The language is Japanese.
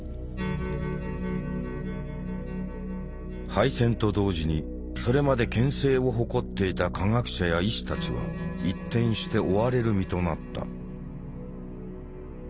敗戦と同時にそれまで権勢を誇っていた科学者や医師たちは一転して追われる身となった。